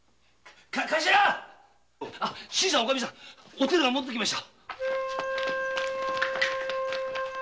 おてるが戻ってきました。